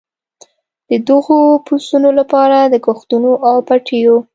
د دغو پسونو لپاره د کښتونو او پټیو.